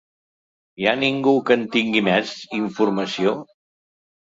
Hi ha ningú que en tingui més informació?